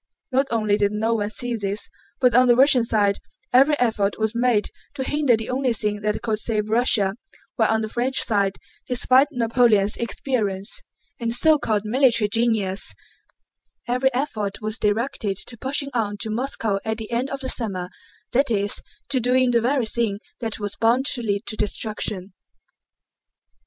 Not only did no one see this, but on the Russian side every effort was made to hinder the only thing that could save Russia, while on the French side, despite Napoleon's experience and so called military genius, every effort was directed to pushing on to Moscow at the end of the summer, that is, to doing the very thing that was bound to lead to destruction.